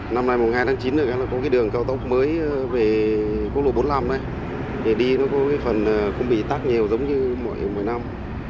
năm nay ngày hai tháng chín có cái đường cao tốc mới về quốc lộ bốn mươi năm này để đi nó có cái phần không bị tắc nhiều giống như mỗi năm